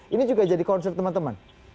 ini juga jadi concern teman teman